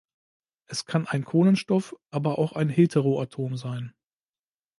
Es kann ein Kohlenstoff-, aber auch ein Heteroatom sein.